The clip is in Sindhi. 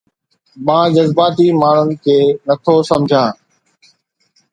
مان جذباتي ماڻهن کي نٿو سمجهان